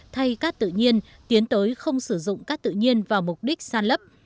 thay cát tự nhiên tiến tới không sử dụng cát tự nhiên vào mục đích san lấp